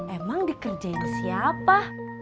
emang dikerjain siapa